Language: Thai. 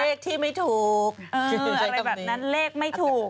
เลขที่ไม่ถูกชื่ออะไรแบบนั้นเลขไม่ถูก